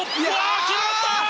決まった！